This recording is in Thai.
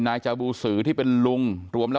นางนาคะนี่คือยายน้องจีน่าคุณยายถ้าแท้เลย